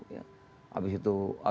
ya abis itu